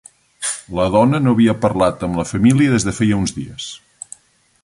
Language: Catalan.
La dona no havia parlat amb la família des de feia uns dies.